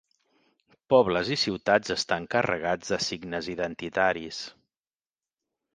Pobles i ciutats estan carregats de signes identitaris.